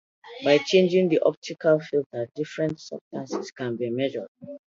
By changing the optical filter, different substances can be measured.